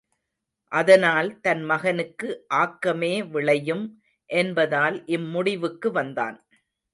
அதனால் தன் மகனுக்கு ஆக்கமே விளையும் என்பதால் இம்முடிவுக்கு வந்தான்.